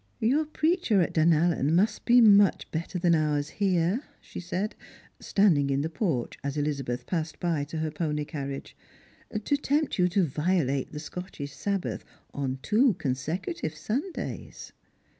" Your preacher at Dunallen must be much better than onrs here," she said, standing in the porch as Elizabeth passed by to her pony carriage, " to tempt you to violate the Scottish Sabbath on two consecutive Sundays."